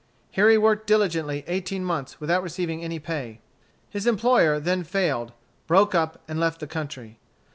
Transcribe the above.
Here he worked diligently eighteen months without receiving any pay. His employer then failed, broke up, and left the country.